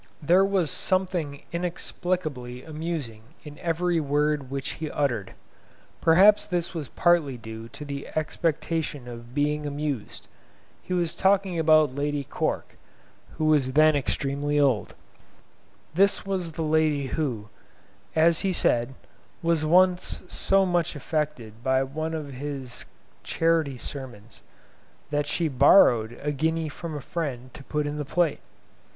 There was something inexplicably amusing in every word which he uttered. Perhaps this was partly due to the expectation of being amused. He was talking about Lady Cork, who was then extremely old. This was the lady who, as he said, was once so much affected by one of his charity sermons, that she borrowed a guinea from a friend to put in the plate.